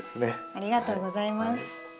ありがとうございます。